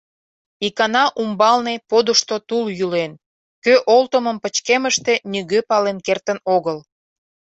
Икана умбалне подышто тул йӱлен, кӧ олтымым пычкемыште нигӧ пален кертын огыл.